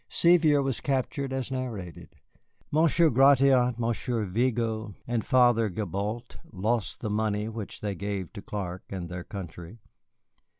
Sevier was captured as narrated. Monsieur Gratiot, Monsieur Vigo, and Father Gibault lost the money which they gave to Clark and their country.